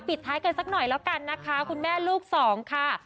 ท้ายกันสักหน่อยแล้วกันนะคะคุณแม่ลูกสองค่ะ